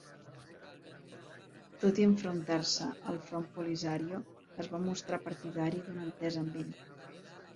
Tot i enfrontar-se al Front Polisario, es va mostrar partidari d'una entesa amb ell.